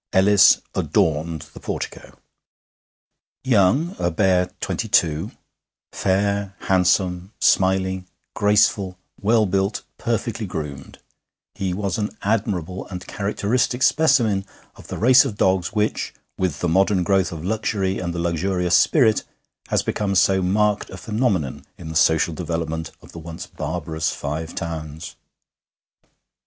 Ellis adorned the portico. Young (a bare twenty two), fair, handsome, smiling, graceful, well built, perfectly groomed, he was an admirable and a characteristic specimen of the race of dogs which, with the modern growth of luxury and the Luxurious Spirit, has become so marked a phenomenon in the social development of the once barbarous Five Towns.